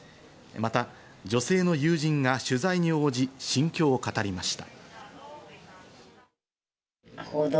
また女性の友人が取材に応じ、心境を語りました。